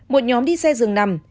một nhóm đi xe dường nằm